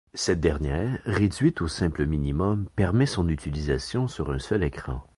Cette dernière, réduite au simple minimum, permet son utilisation sur un seul écran.